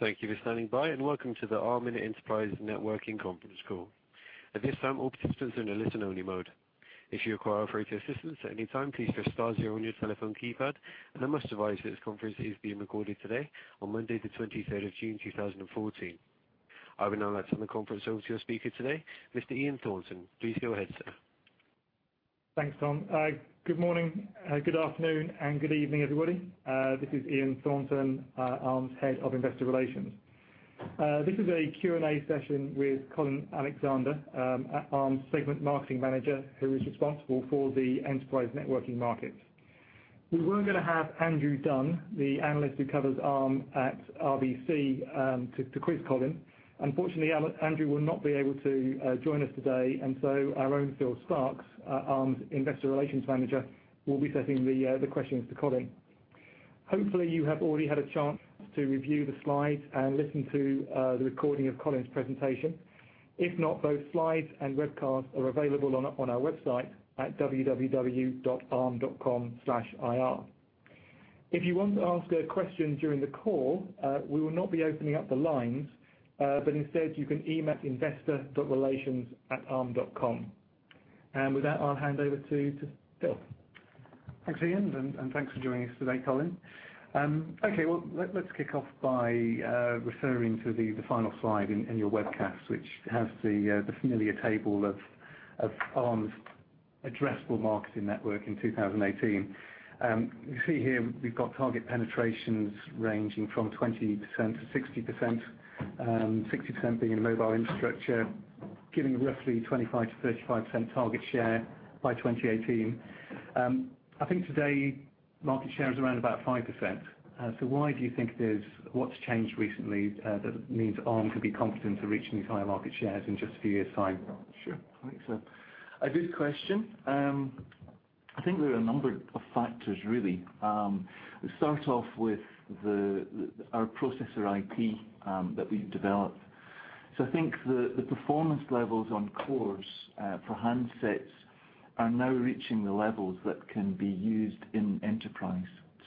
Thank you for standing by, welcome to the Arm Enterprise Networking conference call. At this time, all participants are in a listen only mode. If you require operator assistance at any time, please press star zero on your telephone keypad. I must advise that this conference is being recorded today, on Monday the 23rd of June, 2014. I will now hand the conference over to your speaker today, Mr. Ian Thornton. Please go ahead, sir. Thanks, Tom. Good morning, good afternoon, and good evening, everybody. This is Ian Thornton, Arm's Head of Investor Relations. This is a Q&A session with Colin Alexander, Arm's Segment Marketing Manager, who is responsible for the enterprise networking market. We were going to have Andrew Dunn, the analyst who covers Arm at RBC, to quiz Colin. Unfortunately, Andrew will not be able to join us today, our own Phil Sparks, Arm's Investor Relations Manager, will be sending the questions to Colin. Hopefully, you have already had a chance to review the slides and listen to the recording of Colin's presentation. If not, both slides and webcast are available on our website at www.arm.com/ir. With that, I'll hand over to Phil. Thanks, Ian. Thanks for joining us today, Colin. Let's kick off by referring to the final slide in your webcast, which has the familiar table of Arm's addressable market in networking in 2018. You see here we've got target penetrations ranging from 20%-60%, 60% being in mobile infrastructure, giving roughly 25%-35% target share by 2018. I think today market share is around about 5%. Why do you think there's What's changed recently that means Arm could be confident to reach these higher market shares in just a few years' time? Sure. Thanks. A good question. I think there are a number of factors really. We start off with our processor IP that we've developed. I think the performance levels on cores for handsets are now reaching the levels that can be used in enterprise.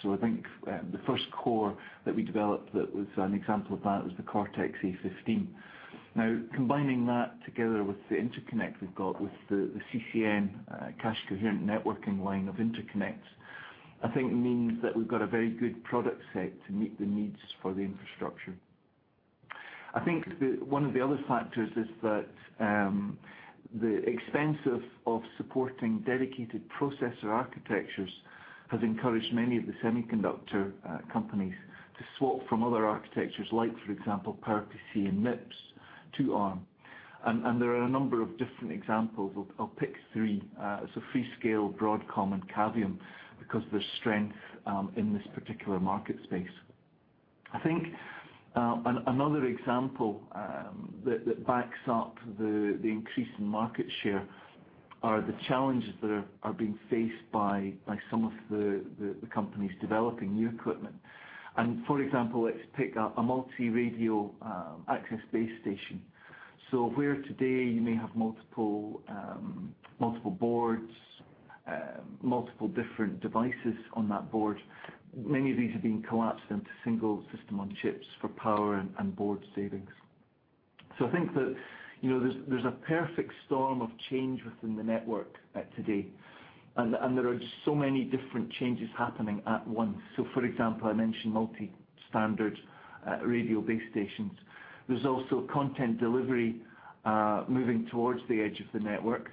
I think the first core that we developed that was an example of that was the Cortex-A15. Now, combining that together with the interconnect we've got with the CCN, cache coherent networking line of interconnects, I think means that we've got a very good product set to meet the needs for the infrastructure. I think one of the other factors is that the expense of supporting dedicated processor architectures has encouraged many of the semiconductor companies to swap from other architectures, like for example, PowerPC and MIPS to Arm. There are a number of different examples. I'll pick three, Freescale, Broadcom, and Cavium, because there's strength in this particular market space. I think another example that backs up the increase in market share are the challenges that are being faced by some of the companies developing new equipment. For example, let's pick up a multi-radio access base station. Where today you may have multiple boards, multiple different devices on that board, many of these are being collapsed into single system on chips for power and board savings. I think that there's a perfect storm of change within the network today. There are so many different changes happening at once. For example, I mentioned multi-standard radio base stations. There's also content delivery moving towards the edge of the network,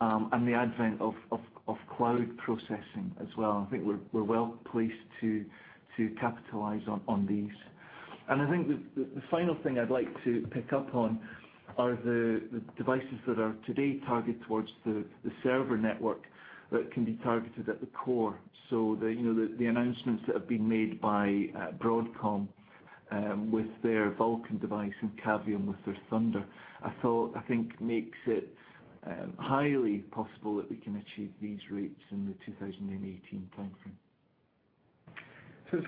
and the advent of cloud processing as well. I think we're well placed to capitalize on these. I think the final thing I'd like to pick up on are the devices that are today targeted towards the server network that can be targeted at the core. The announcements that have been made by Broadcom with their Vulcan device and Cavium with their Thunder, I think makes it highly possible that we can achieve these rates in the 2018 timeframe.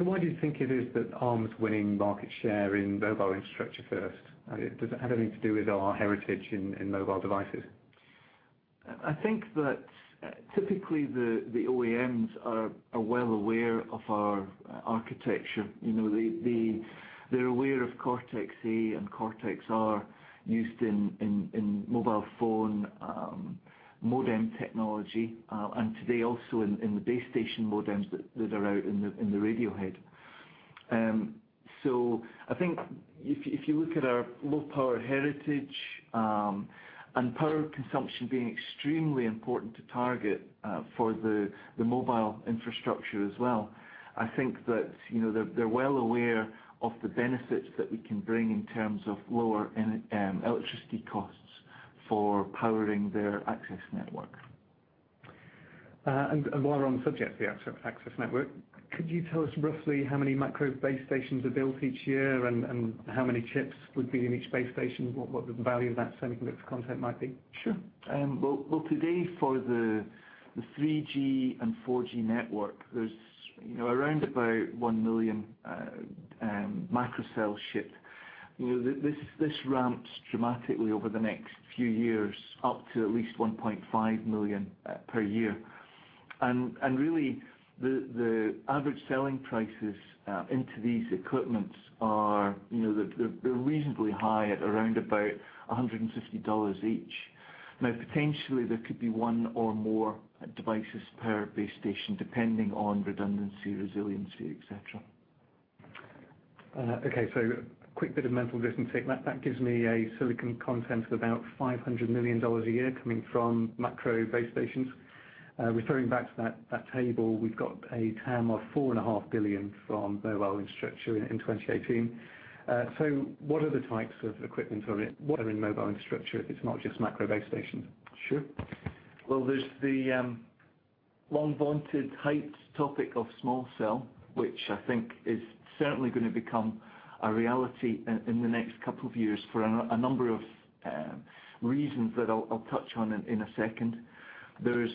Why do you think it is that Arm's winning market share in mobile infrastructure first? Does it have anything to do with our heritage in mobile devices? I think that typically, the OEMs are well aware of our architecture. They're aware of Cortex-A and Cortex-R used in mobile phone modem technology, and today also in the base station modems that are out in the radio head. I think if you look at our low power heritage, and power consumption being extremely important to target for the mobile infrastructure as well, I think that they're well aware of the benefits that we can bring in terms of lower electricity costs for powering their access network. While we're on the subject of the access network, could you tell us roughly how many macro base stations are built each year, and how many chips would be in each base station? What the value of that semiconductor content might be? Sure. Well, today, for the 3G and 4G network, there's around about 1 million microcell shipped. This ramps dramatically over the next few years, up to at least 1.5 million per year. The average selling prices into these equipments, they're reasonably high at around about $150 each. Now, potentially, there could be one or more devices per base station, depending on redundancy, resiliency, et cetera. Okay. A quick bit of mental arithmetic. That gives me a silicon content of about $500 million a year coming from macro base stations. Referring back to that table, we've got a TAM of $4.5 billion from mobile infrastructure in 2018. What other types of equipment are in mobile infrastructure? It's not just macro base stations. Sure. Well, there's the long vaunted hyped topic of small cell, which I think is certainly going to become a reality in the next couple of years for a number of reasons that I'll touch on in a second. There's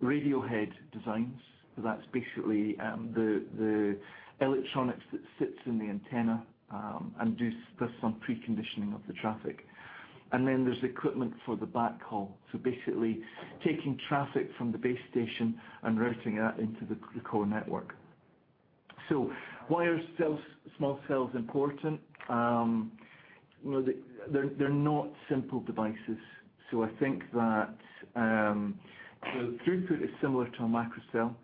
radio head designs. That's basically the electronics that sits in the antenna and does some preconditioning of the traffic. Then there's equipment for the backhaul. Basically taking traffic from the base station and routing that into the core network. Why are small cells important? They're not simple devices. I think that the throughput is similar to a micro cell.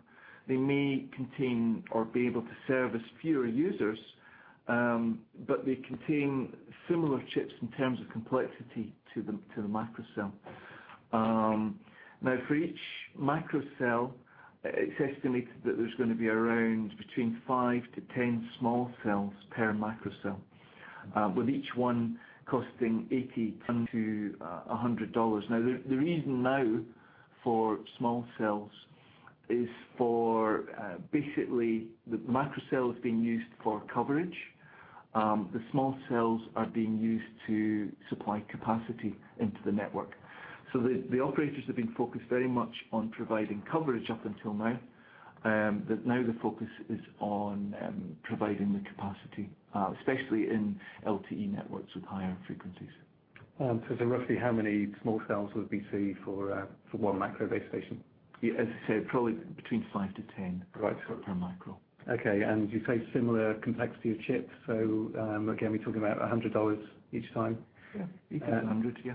They may contain or be able to service fewer users, but they contain similar chips in terms of complexity to the micro cell. For each micro cell, it's estimated that there's going to be around between 5 to 10 small cells per micro cell, with each one costing $80-$100. The reason now for small cells is for, basically, the micro cell is being used for coverage. The small cells are being used to supply capacity into the network. The operators have been focused very much on providing coverage up until now, but now the focus is on providing the capacity, especially in LTE networks with higher frequencies. Roughly how many small cells would we see for one macro base station? As I said, probably between 5 to 10. Right Per micro. Okay. You say similar complexity of chips. Again, we're talking about $100 each time. Yeah. $80, $100. Yeah.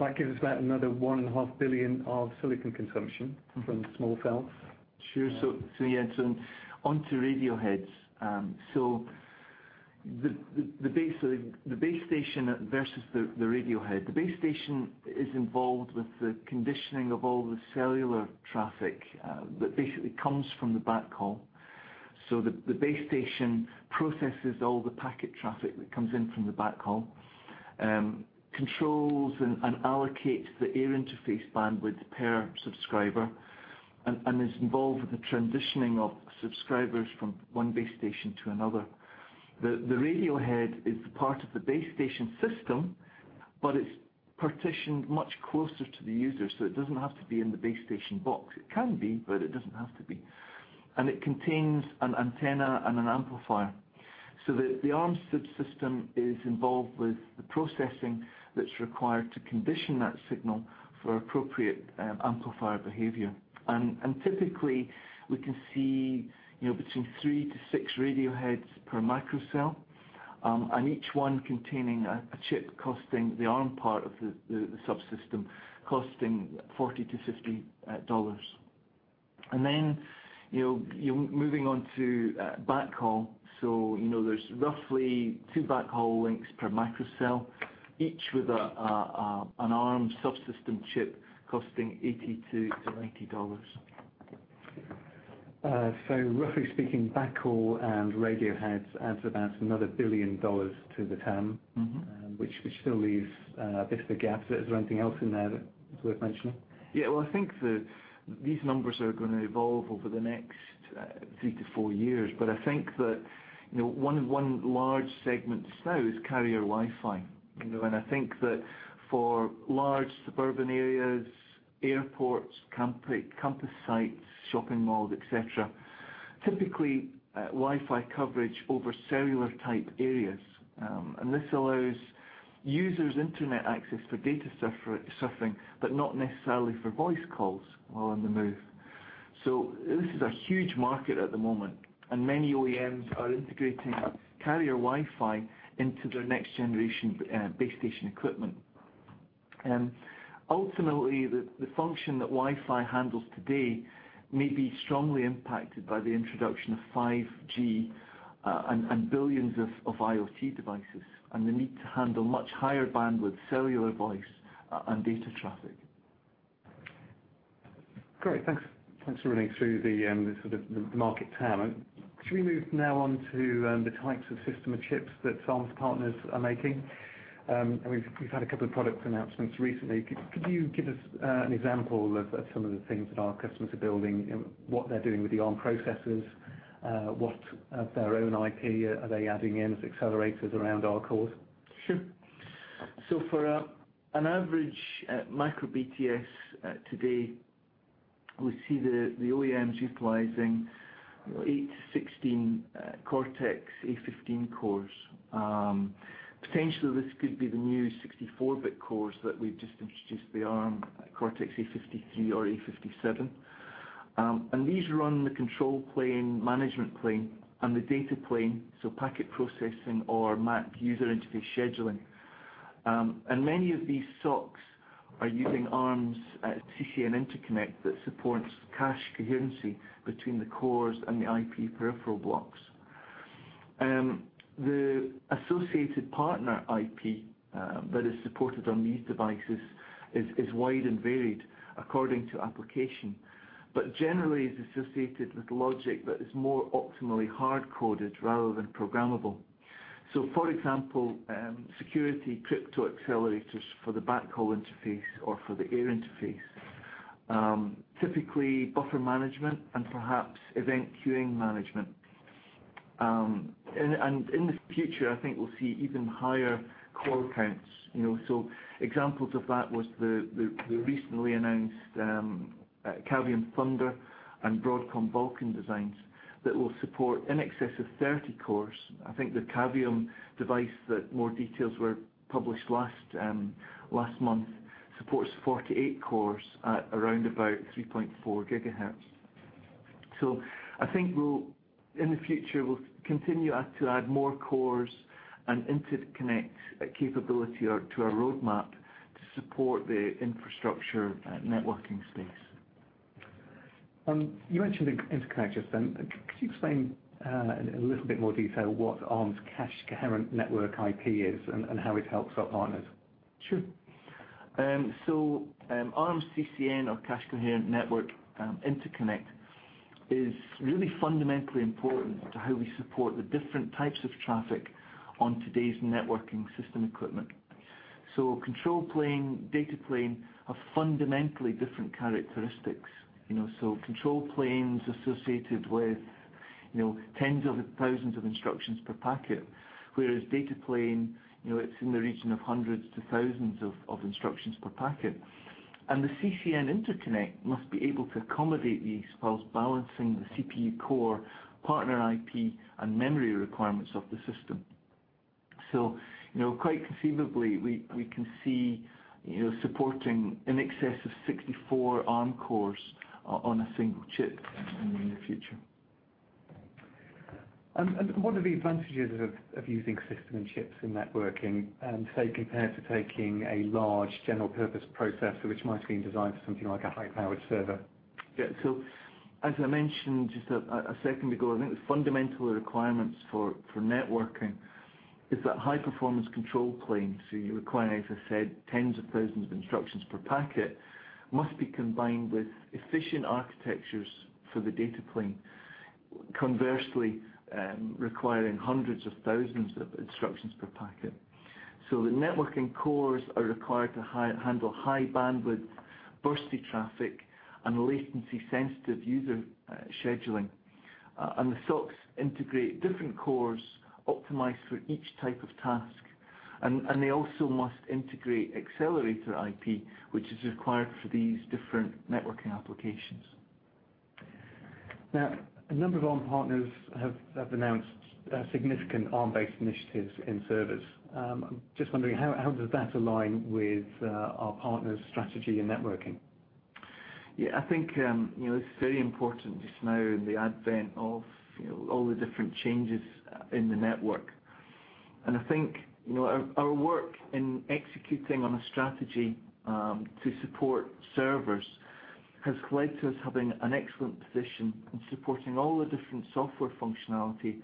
That gives us about another $1.5 billion of silicon consumption from small cells. Sure. Yeah. Onto radio heads. The base station versus the radio head. The base station is involved with the conditioning of all the cellular traffic that basically comes from the backhaul. The base station processes all the packet traffic that comes in from the backhaul, controls and allocates the air interface bandwidth per subscriber, and is involved with the transitioning of subscribers from one base station to another. The radio head is the part of the base station system, but it's partitioned much closer to the user, so it doesn't have to be in the base station box. It can be, but it doesn't have to be. And it contains an antenna and an amplifier. The Arm subsystem is involved with the processing that's required to condition that signal for appropriate amplifier behavior. Typically, we can see between 3 to 6 radio heads per microcell, and each one containing a chip costing, the Arm part of the subsystem, costing 40 to GBP 50. Moving on to backhaul. There's roughly two backhaul links per microcell, each with an Arm subsystem chip costing 80 to GBP 90. Roughly speaking, backhaul and radio heads adds about another $1 billion to the TAM. Which still leaves a bit of a gap. Is there anything else in there that's worth mentioning? Well, I think these numbers are going to evolve over the next 3 to 4 years. I think that one large segment just now is carrier Wi-Fi. I think that for large suburban areas, airports, campus sites, shopping malls, et cetera, typically Wi-Fi coverage over cellular type areas. This allows users Internet access for data surfing, but not necessarily for voice calls while on the move. This is a huge market at the moment, and many OEMs are integrating carrier Wi-Fi into their next generation base station equipment. Ultimately, the function that Wi-Fi handles today may be strongly impacted by the introduction of 5G and billions of IoT devices, and the need to handle much higher bandwidth cellular voice and data traffic. Great. Thanks for running through the sort of the market TAM. Should we move now on to the types of system-on-chips that Arm's partners are making? We've had a couple of product announcements recently. Could you give us an example of some of the things that our customers are building and what they're doing with the Arm processors? What of their own IP are they adding in as accelerators around our cores? For an average micro BTS today, we see the OEMs utilizing eight to 16 Cortex-A15 cores. Potentially, this could be the new 64-bit cores that we've just introduced, the Arm Cortex-A53 or Cortex-A57. These run the control plane, management plane, and the data plane, so packet processing or MAC user interface scheduling. Many of these SoCs are using Arm's CCN interconnect that supports cache coherency between the cores and the IP peripheral blocks. The associated partner IP that is supported on these devices is wide and varied according to application. Generally, it's associated with logic that is more optimally hard-coded rather than programmable. For example, security crypto accelerators for the backhaul interface or for the air interface. Typically, buffer management and perhaps event queuing management. In the future, I think we'll see even higher core counts. Examples of that was the recently announced Cavium ThunderX and Broadcom Vulcan designs that will support in excess of 30 cores. I think the Cavium device that more details were published last month supports 48 cores at around about 3.4 gigahertz. I think in the future, we'll continue to add more cores and interconnect capability to our roadmap to support the infrastructure networking space. You mentioned interconnect just then. Could you explain in a little bit more detail what Arm's cache coherent network IP is and how it helps our partners? Sure. Arm CCN or cache coherent network interconnect is really fundamentally important to how we support the different types of traffic on today's networking system equipment. Control plane, data plane have fundamentally different characteristics. Control plane associated with tens of thousands of instructions per packet, whereas data plane, it's in the region of hundreds to thousands of instructions per packet. The CCN interconnect must be able to accommodate these whilst balancing the CPU core partner IP and memory requirements of the system. Quite conceivably, we can see supporting in excess of 64 Arm cores on a single chip in the future. What are the advantages of using system and chips in networking, say, compared to taking a large general purpose processor, which might have been designed for something like a high-powered server? As I mentioned just a second ago, I think the fundamental requirements for networking is that high-performance control plane. You require, as I said, tens of thousands of instructions per packet must be combined with efficient architectures for the data plane, conversely, requiring hundreds of thousands of instructions per packet. The networking cores are required to handle high bandwidth, bursty traffic, and latency-sensitive user scheduling. The SoCs integrate different cores optimized for each type of task. They also must integrate accelerator IP, which is required for these different networking applications. A number of Arm partners have announced significant Arm-based initiatives in servers. I'm just wondering, how does that align with our partners' strategy in networking? I think, it's very important just now in the advent of all the different changes in the network. I think our work in executing on a strategy to support servers has led to us having an excellent position in supporting all the different software functionality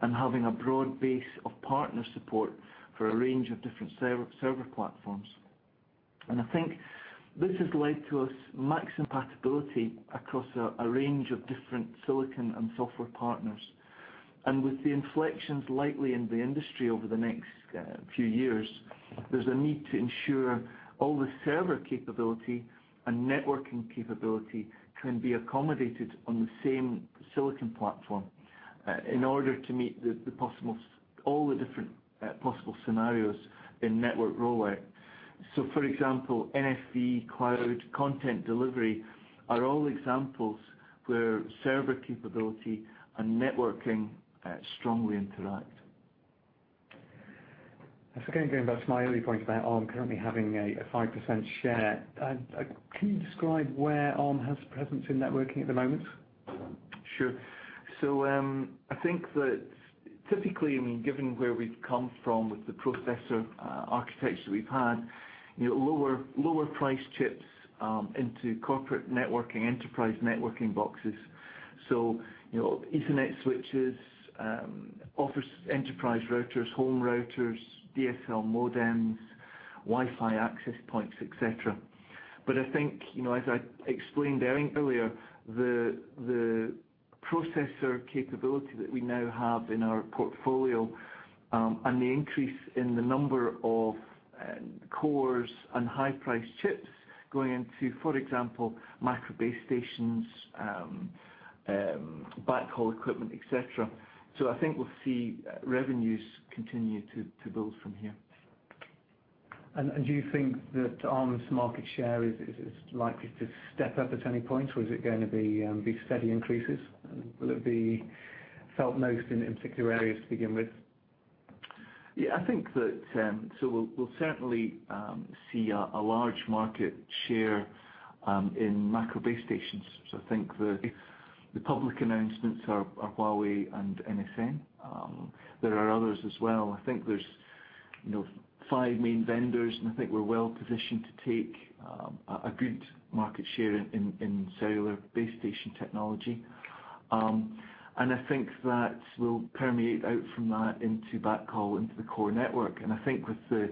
and having a broad base of partner support for a range of different server platforms. I think this has led to us mass compatibility across a range of different silicon and software partners. With the inflections likely in the industry over the next few years, there's a need to ensure all the server capability and networking capability can be accommodated on the same silicon platform in order to meet all the different possible scenarios in network rollout. For example, NFV, cloud, content delivery are all examples where server capability and networking strongly interact. Again, going back to my earlier point about Arm currently having a 5% share, can you describe where Arm has presence in networking at the moment? Sure. I think that typically, given where we've come from with the processor architecture we've had, lower price chips into corporate networking, enterprise networking boxes. Ethernet switches, office enterprise routers, home routers, DSL modems, Wi-Fi access points, et cetera. I think, as I explained earlier, the processor capability that we now have in our portfolio, and the increase in the number of cores and high-priced chips going into, for example, macro base stations, backhaul equipment, et cetera. I think we'll see revenues continue to build from here. Do you think that Arm's market share is likely to step up at any point, or is it going to be steady increases? Will it be felt most in particular areas to begin with? Yeah. We'll certainly see a large market share in macro base stations. I think the public announcements are Huawei and NSN. There are others as well. I think there's five main vendors, I think we're well positioned to take a good market share in cellular base station technology. I think that will permeate out from that into backhaul into the core network. I think with the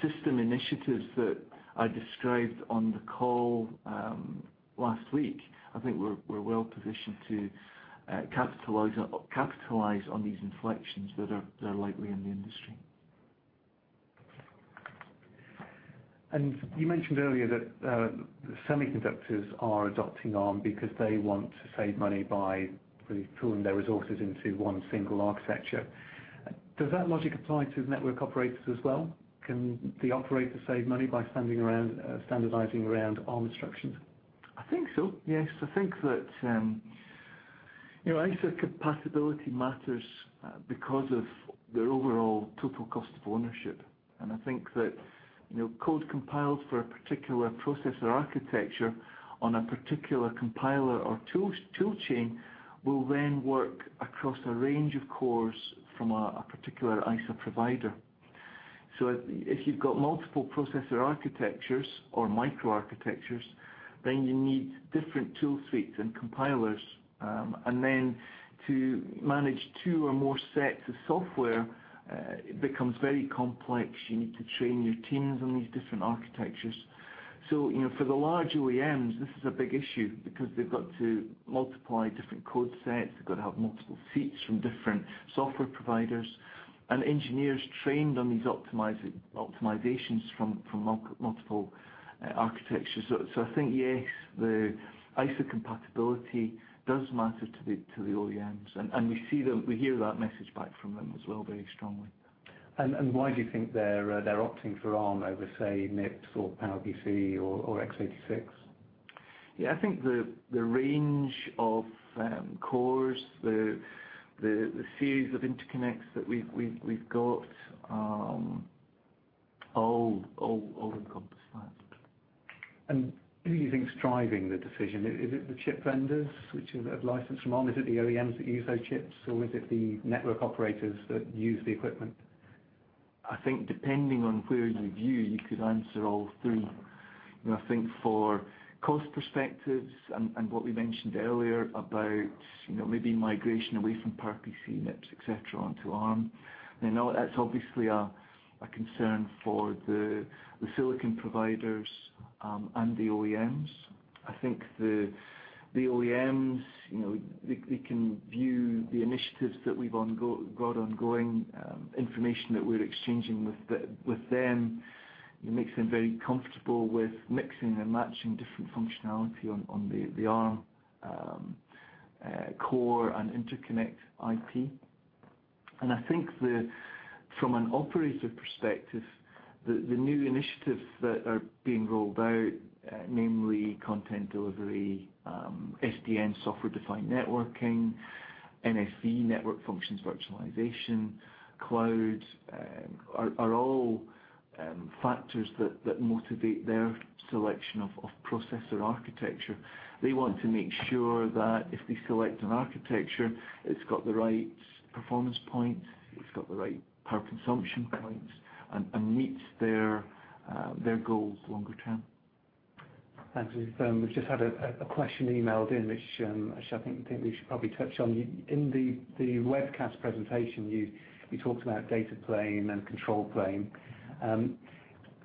system initiatives that I described on the call last week, I think we're well positioned to capitalize on these inflections that are likely in the industry. You mentioned earlier that the semiconductors are adopting Arm because they want to save money by really pooling their resources into one single architecture. Does that logic apply to network operators as well? Can the operator save money by standardizing around Arm instructions? I think so, yes. I think that ISA compatibility matters because of their overall total cost of ownership, I think that code compiled for a particular processor architecture on a particular compiler or tool chain will then work across a range of cores from a particular ISA provider. If you've got multiple processor architectures or microarchitectures, then you need different tool suites and compilers. To manage two or more sets of software, it becomes very complex. You need to train your teams on these different architectures. For the large OEMs, this is a big issue because they've got to multiply different code sets, they've got to have multiple suites from different software providers, and engineers trained on these optimizations from multiple architectures. I think, yes, the ISA compatibility does matter to the OEMs, we hear that message back from them as well very strongly. Why do you think they're opting for Arm over, say, MIPS or PowerPC or x86? Yeah. I think the range of cores, the series of interconnects that we've got all encompass that. Who do you think is driving the decision? Is it the chip vendors which have licensed from Arm? Is it the OEMs that use those chips? Or is it the network operators that use the equipment? I think depending on where you view, you could answer all three. I think for cost perspectives and what we mentioned earlier about maybe migration away from PowerPC, MIPS, et cetera, onto Arm, that's obviously a concern for the silicon providers and the OEMs. I think the OEMs, they can view the initiatives that we've got ongoing, information that we're exchanging with them. It makes them very comfortable with mixing and matching different functionality on the Arm core and interconnect IP. I think from an operator perspective, the new initiatives that are being rolled out, namely content delivery, SDN, software-defined networking, NFV, network functions virtualization, cloud, are all factors that motivate their selection of processor architecture. They want to make sure that if they select an architecture, it's got the right performance points, it's got the right power consumption points, and meets their goals longer term. Thanks. We've just had a question emailed in which I think we should probably touch on. In the webcast presentation, you talked about data plane and control plane.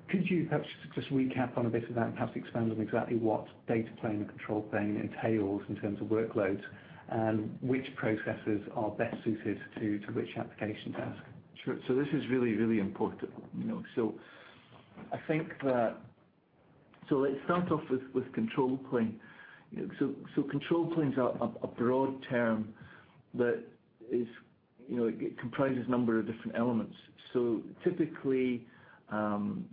Could you perhaps just recap on a bit of that, perhaps expand on exactly what data plane and control plane entails in terms of workloads, and which processors are best suited to which application task? Sure. This is really, really important. Let's start off with control plane. Control plane's a broad term that comprises a number of different elements. Typically, again,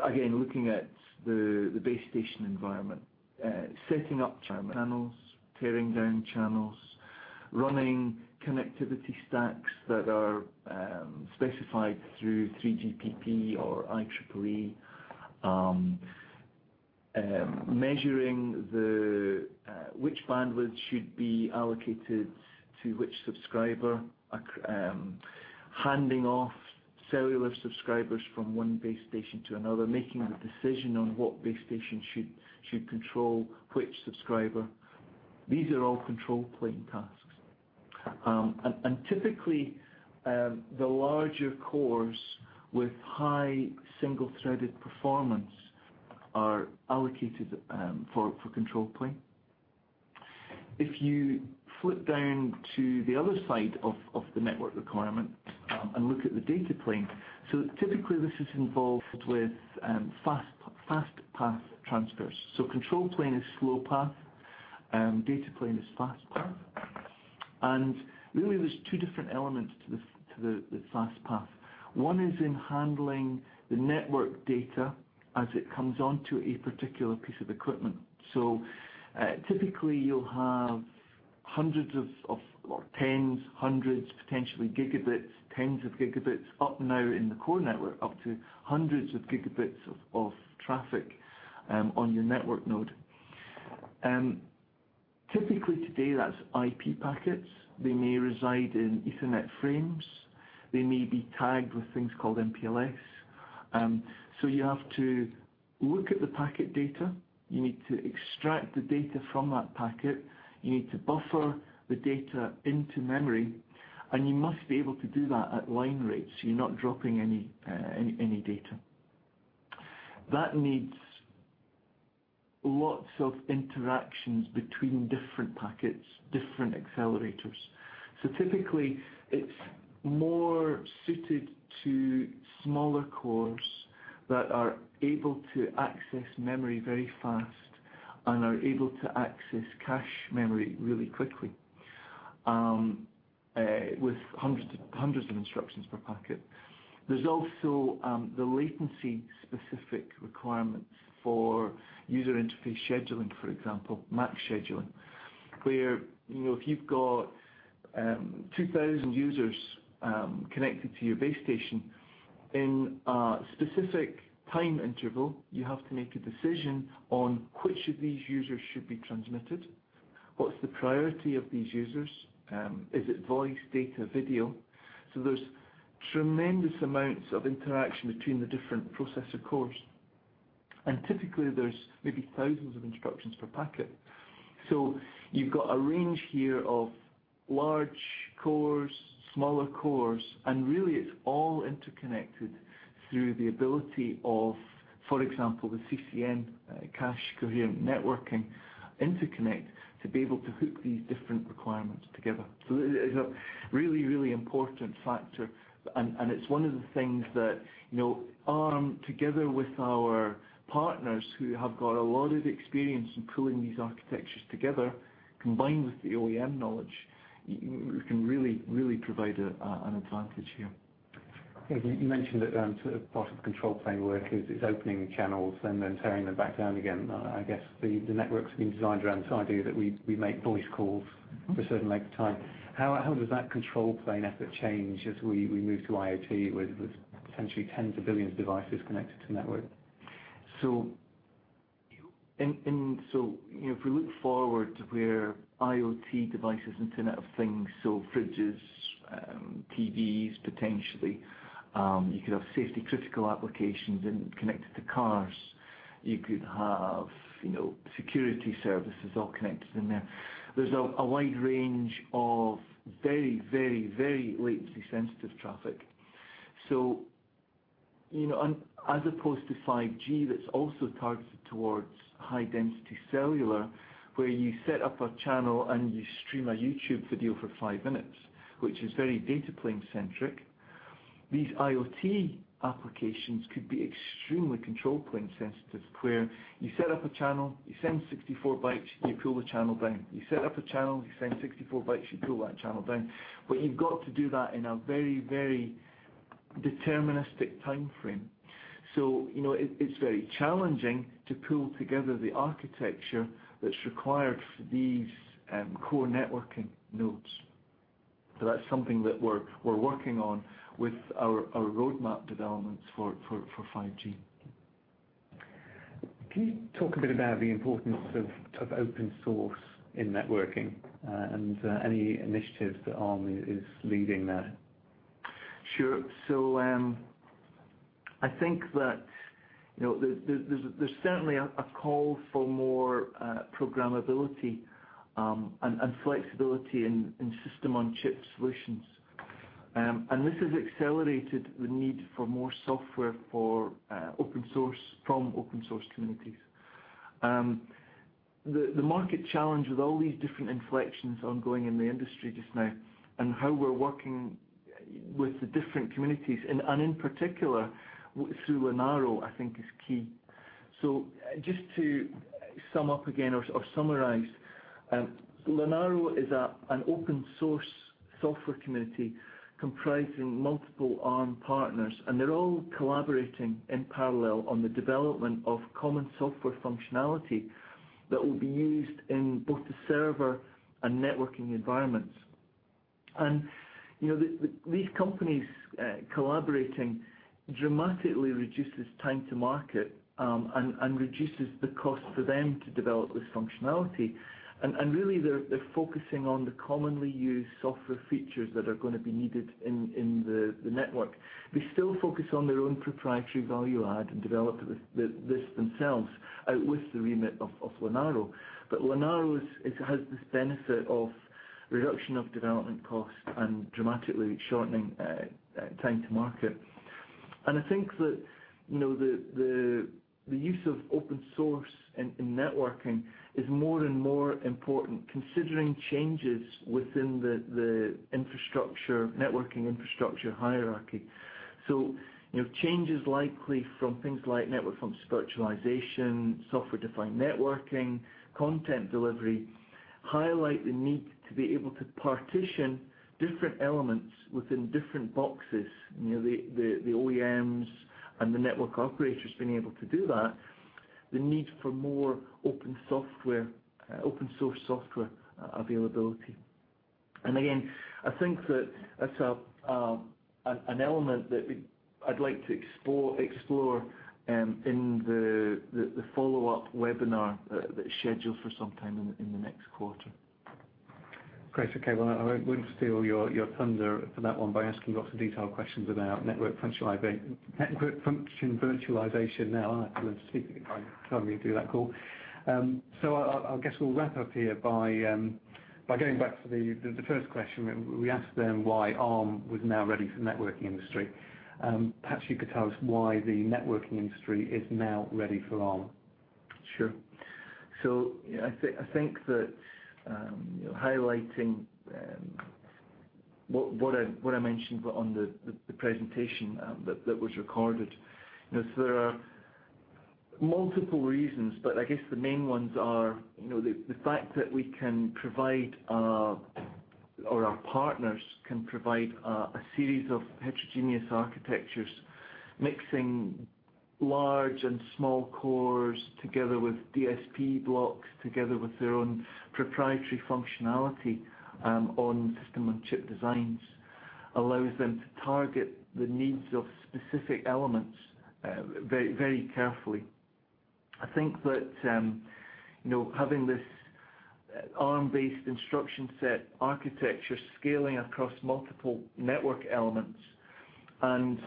looking at the base station environment, setting up channels, tearing down channels, running connectivity stacks that are specified through 3GPP or IEEE, measuring which bandwidth should be allocated to which subscriber, handing off cellular subscribers from one base station to another, making the decision on what base station should control which subscriber. These are all control plane tasks. Okay. Typically, the larger cores with high single-threaded performance are allocated for control plane. If you flip down to the other side of the network requirement and look at the data plane, typically this is involved with fast path transfers. Control plane is slow path, data plane is fast path. Really there's two different elements to the fast path. One is in handling the network data as it comes onto a particular piece of equipment. Typically you'll have hundreds of, or tens, hundreds, potentially gigabits, tens of gigabits up now in the core network, up to hundreds of gigabits of traffic on your network node. Typically today that's IP packets. They may reside in ethernet frames. They may be tagged with things called MPLS. You have to look at the packet data, you need to extract the data from that packet, you need to buffer the data into memory, and you must be able to do that at line rates, so you're not dropping any data. That needs lots of interactions between different packets, different accelerators. Typically it's more suited to smaller cores that are able to access memory very fast and are able to access cache memory really quickly, with hundreds of instructions per packet. There's also the latency specific requirements for user interface scheduling, for example, MAC scheduling, where if you've got 2,000 users connected to your base station in a specific time interval, you have to make a decision on which of these users should be transmitted. What's the priority of these users? Is it voice, data, video? There's tremendous amounts of interaction between the different processor cores. Typically there's maybe thousands of instructions per packet. You've got a range here of large cores, smaller cores, and really it's all interconnected through the ability of, for example, the CCN, cache coherent networking interconnect, to be able to hook these different requirements together. It is a really, really important factor, and it's one of the things that Arm, together with our partners who have got a lot of experience in pulling these architectures together, combined with the OEM knowledge, we can really, really provide an advantage here. You mentioned that part of the control plane work is opening channels and then tearing them back down again. I guess the networks have been designed around this idea that we make voice calls for a certain length of time. How does that control plane effort change as we move to IoT with potentially tens of billions of devices connected to network? If we look forward where IoT devices, Internet of Things, fridges, TVs, potentially, you could have safety critical applications connected to cars. You could have security services all connected in there. There's a wide range of very, very, very latency sensitive traffic. As opposed to 5G that's also targeted towards high density cellular, where you set up a channel and you stream a YouTube video for five minutes, which is very data plane centric, these IoT applications could be extremely control plane sensitive, where you set up a channel, you send 64 bytes, you pull the channel down. You set up a channel, you send 64 bytes, you pull that channel down. You've got to do that in a very, very deterministic timeframe. It's very challenging to pull together the architecture that's required for these core networking nodes. That's something that we're working on with our roadmap developments for 5G. Can you talk a bit about the importance of open source in networking and any initiatives that Arm is leading there? Sure. I think that there's certainly a call for more programmability and flexibility in System on Chip solutions. This has accelerated the need for more software from open source communities. The market challenge with all these different inflections ongoing in the industry just now and how we're working with the different communities and in particular through Linaro, I think is key. Just to sum up again or summarize, Linaro is an open source software community comprising multiple Arm partners, and they're all collaborating in parallel on the development of common software functionality that will be used in both the server and networking environments. These companies collaborating dramatically reduces time to market and reduces the cost for them to develop this functionality. Really, they're focusing on the commonly used software features that are going to be needed in the network. They still focus on their own proprietary value add and develop this themselves outwith the remit of Linaro. Linaro has this benefit of reduction of development cost and dramatically shortening time to market. I think that the use of open source in networking is more and more important, considering changes within the networking infrastructure hierarchy. Changes likely from things like Network Function Virtualization, Software-Defined Networking, content delivery, highlight the need to be able to partition different elements within different boxes. The OEMs and the network operators being able to do that, the need for more open source software availability. Again, I think that that's an element that I'd like to explore in the follow-up webinar that is scheduled for some time in the next quarter. Great. Okay, well, I won't steal your thunder for that one by asking lots of detailed questions about Network Function Virtualization now. I have to learn to speak at the right time we do that call. I'll guess we'll wrap up here by going back to the first question. We asked then why Arm was now ready for networking industry. Perhaps you could tell us why the networking industry is now ready for Arm. Sure. I think that highlighting what I mentioned on the presentation that was recorded, there are multiple reasons, but I guess the main ones are the fact that our partners can provide a series of heterogeneous architectures, mixing large and small cores together with DSP blocks, together with their own proprietary functionality on system-on-chip designs, allows them to target the needs of specific elements very carefully. I think that having this Arm-based instruction set architecture scaling across multiple network elements and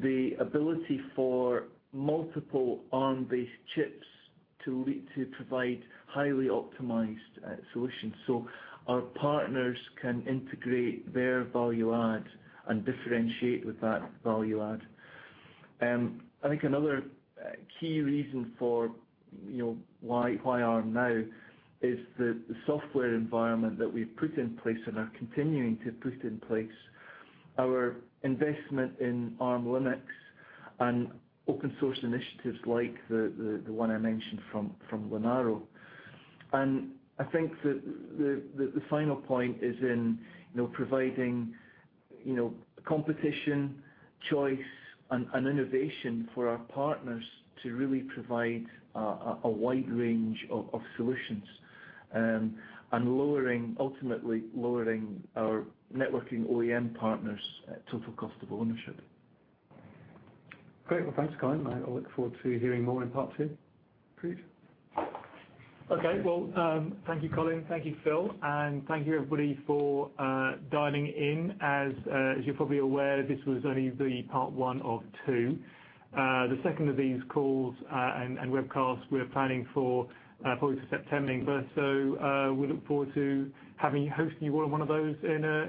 the ability for multiple Arm-based chips to provide highly optimized solutions so our partners can integrate their value add and differentiate with that value add. I think another key reason for why Arm now is the software environment that we've put in place and are continuing to put in place, our investment in Arm Linux and open source initiatives like the one I mentioned from Linaro. I think that the final point is in providing competition, choice, and innovation for our partners to really provide a wide range of solutions, and ultimately lowering our networking OEM partners' total cost of ownership. Great. Well, thanks, Colin. I look forward to hearing more in part two. Appreciate it. Okay. Well, thank you, Colin. Thank you, Phil, thank you everybody for dialing in. As you're probably aware, this was only the part one of two. The second of these calls and webcasts we're planning for probably for September. We look forward to hosting you on one of those in a